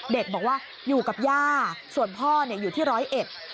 เด็กบอกว่าอยู่กับย่าส่วนพ่อเนี่ยอยู่ที่ร้อยเอ็ด